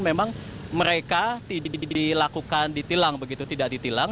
memang mereka tidak dilakukan di tilang begitu tidak di tilang